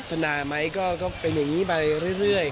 ธนาไหมก็เป็นอย่างนี้ไปเรื่อย